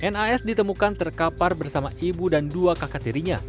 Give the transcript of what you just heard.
nas ditemukan terkapar bersama ibu dan dua kakak tirinya